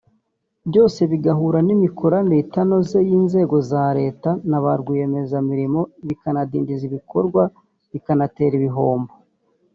byose bigahura n’imikoranire itanoze y’inzego za Leta na ba rwiyemezamirimo bikadindiza ibikorwa bikanatera ibihombo